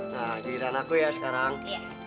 nah giliran aku ya sekarang